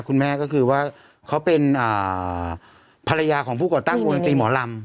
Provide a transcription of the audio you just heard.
คุณแม่ก็คือว่าเขาเป็นภรรยาของผู้ก่อตั้งวงดนตรีหมอลำ